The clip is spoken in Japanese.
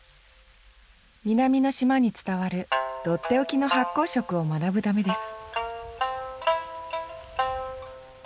南の島に伝わるとっておきの発酵食を学ぶためです